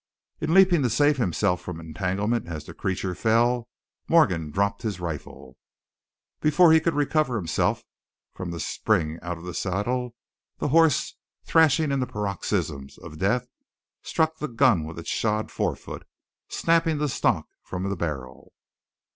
In leaping to save himself from entanglement as the creature fell, Morgan dropped his rifle. Before he could recover himself from the spring out of the saddle, the horse, thrashing in the paroxysm of death, struck the gun with its shod fore foot, snapping the stock from the barrel.